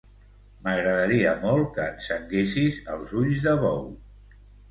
M'agradaria molt que encenguessis els ulls de bou.